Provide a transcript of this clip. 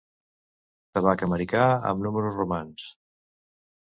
Tabac americà amb números romans.